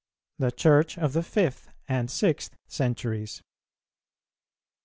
THE CHURCH OF THE FIFTH AND SIXTH CENTURIES.